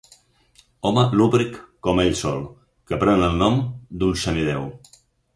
Home lúbric com ell sol, que pren el nom d'un semidéu.